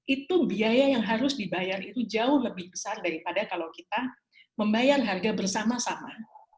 itu biaya yang harus dibayar itu jauh lebih besar daripada kalau kita membayar harga bersama sama